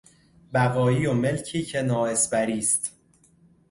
بقایی و ملکی که نا اسپری است